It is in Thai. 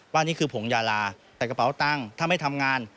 ว่านี่คือผงยาลาแต่กระเป๋าตังค์ถ้าไม่ทำงาน